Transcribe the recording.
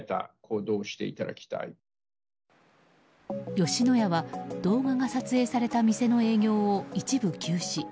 吉野家は、動画が撮影された店の営業を一部休止。